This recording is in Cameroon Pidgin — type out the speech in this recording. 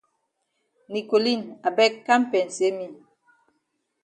Nicoline I beg kam pensay me.